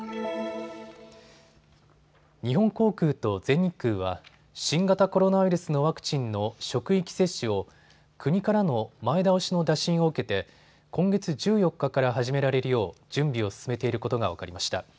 日本航空と全日空は新型コロナウイルスのワクチンの職域接種を国からの前倒しの打診を受けて今月１４日から始められるよう準備を進めていることが分かりました。